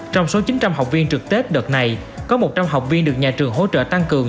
trong số chín trăm linh học viên trực tết đợt này có một trăm linh học viên được nhà trường hỗ trợ tăng cường